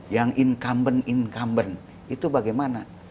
yang incumbent incumbent itu bagaimana